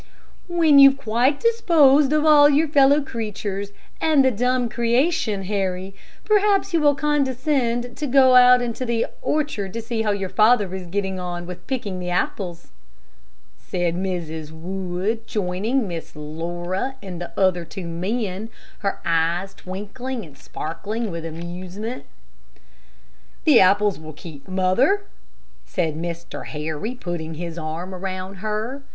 "When you've quite disposed of all your fellow creatures and the dumb creation, Harry, perhaps you will condescend to go out into the orchard and see how your father is getting on with picking the apples," said Mrs. Wood, joining Miss Laura and the two young men, her eyes twinkling and sparkling with amusement. "The apples will keep, mother," said Mr. Harry, putting his arm around her.